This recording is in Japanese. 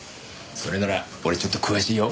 それなら俺ちょっと詳しいよ。